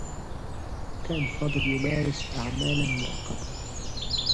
كان فاضل يمارس أعمالا مؤقّتة.